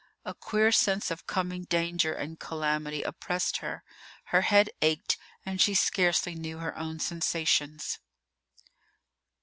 A queer sense of coming danger and calamity oppressed her. Her head ached, and she scarcely knew her own sensations.